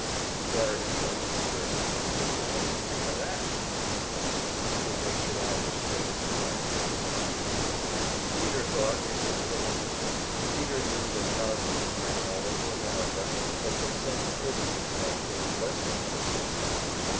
And Garrity turned to Peter. "What do you think of that?" he said, his good natured Irish face blank with dismay. Peter thought it was the limit. Peter knew that thousands of men all over America had been sent to prison for saying things less dangerous than that.